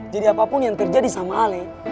jadi apapun yang terjadi sama ale